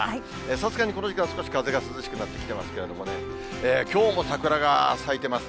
さすがにこの時間、少し風が涼しくなってきてますけどね、きょうも桜が咲いてます。